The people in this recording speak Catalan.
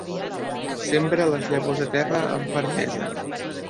Sembra les llavors a terra amb fermesa.